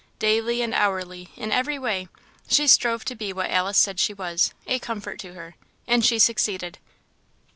Daily and hourly, in every way, she strove to be what Alice said she was, a comfort to her, and she succeeded.